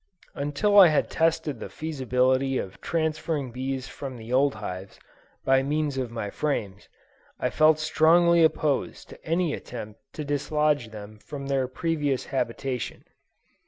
Until I had tested the feasibility of transferring bees from the old hives, by means of my frames, I felt strongly opposed to any attempt to dislodge them from their previous habitation.